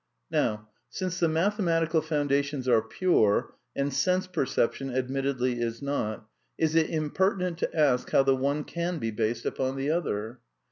Ifow, since the mathematical foundations are pure, and sense perception admittedly is not, is it impertinent to ask how the one can be based upon the other